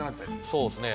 そうですね